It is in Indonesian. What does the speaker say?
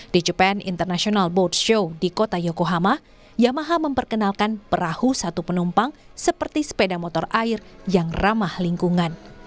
di jepen international board show di kota yokohama yamaha memperkenalkan perahu satu penumpang seperti sepeda motor air yang ramah lingkungan